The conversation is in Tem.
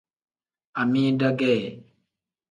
Amida ge.